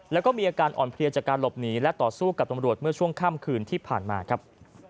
แล้วก็มีอาการอ่อนเพลียจากการหลบหนีและต่อสู้กับตำรวจเมื่อช่วงค่ำคืนที่ผ่านมาครับ